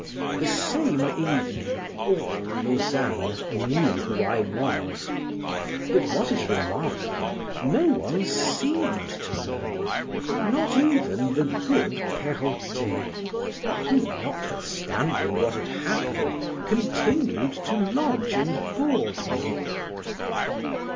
The same evening, all Lausanne knew who I was, but what is remarkable, no one seemed to know, not even the good Perrotet, who (notwithstanding what had happened) continued to lodge and board me.